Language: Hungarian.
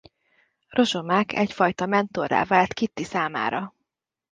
Rozsomák egyfajta mentorrá vált Kitty számára.